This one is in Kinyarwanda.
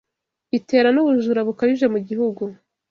itera n’ubujura bukabije mu gihugu